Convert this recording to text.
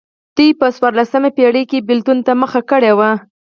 دوی په څوارلسمه پېړۍ کې بېلتون ته مخه کړې وه.